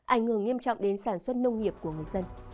ảnh hưởng nghiêm trọng đến sản xuất nông nghiệp của người dân